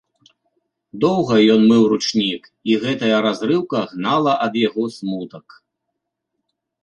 Доўга ён мыў ручнік, і гэтая разрыўка гнала ад яго смутак.